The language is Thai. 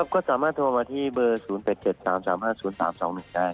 ก็สามารถโทรมาที่เบอร์๐๘๗๓๓๕๐๓๒๑ได้